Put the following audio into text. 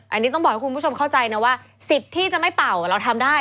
อันนี้ต้องบอกให้คุณผู้ชมเข้าใจนะว่าสิทธิ์ที่จะไม่เป่าเราทำได้